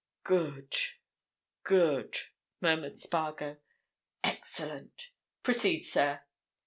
"Good—good!" murmured Spargo. "Excellent! Proceed, sir."